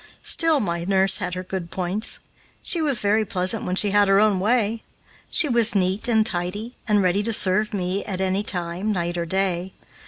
Still my nurse had her good points. She was very pleasant when she had her own way. She was neat and tidy, and ready to serve me at any time, night or day.